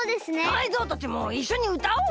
タイゾウたちもいっしょにうたおうよ。